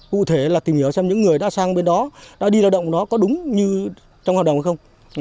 cụ thể là tìm hiểu xem những người đã sang bên đó đã đi lao động đó có đúng như trong hoạt động hay không